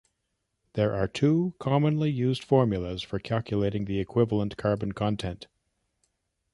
There are two commonly used formulas for calculating the equivalent carbon content.